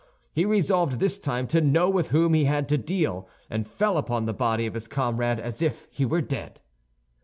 He resolved this time to know with whom he had to deal, and fell upon the body of his comrade as if he were dead.